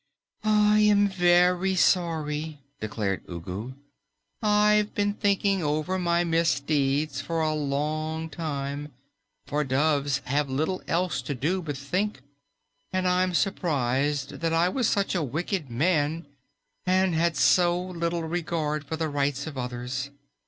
"I am VERY sorry," declared Ugu. "I've been thinking over my misdeeds for a long time, for doves have little else to do but think, and I'm surprised that I was such a wicked man and had so little regard for the rights of others.